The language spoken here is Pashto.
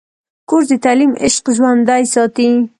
کورس د تعلیم عشق ژوندی ساتي.